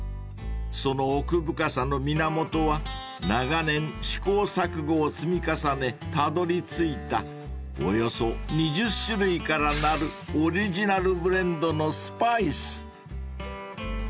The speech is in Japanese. ［その奥深さの源は長年試行錯誤を積み重ねたどりついたおよそ２０種類からなるオリジナルブレンドのスパイス］